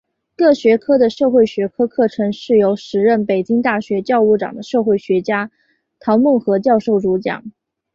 各学科的社会学课程是由时任北京大学教务长的社会学家陶孟和教授主讲。